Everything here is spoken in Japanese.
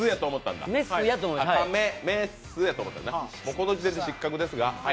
この時点で失格ですが。